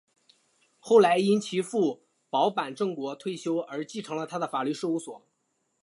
后来因其父保坂正国退休而承继了他的法律事务所。